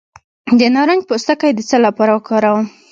د نارنج پوستکی د څه لپاره وکاروم؟